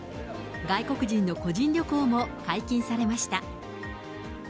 外国人の個人旅行も解禁されました。